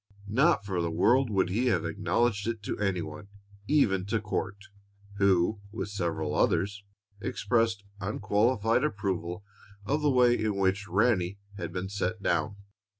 Not for the world would he have acknowledged it to any one even to Court, who, with several others, expressed unqualified approval of the way in which Ranny had been "set down."